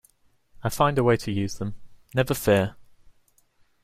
I'll find a way to use them, never fear!